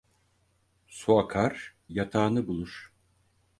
Su akar yatağını bulur.